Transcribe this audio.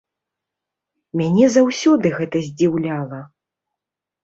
Мяне заўсёды гэта здзіўляла.